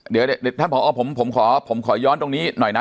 เดี๋ยวเดี๋ยวถ้าผอผมขอย้อนตรงนี้หน่อยนะ